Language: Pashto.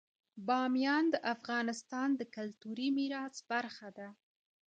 بامیان د افغانستان د کلتوري میراث برخه ده.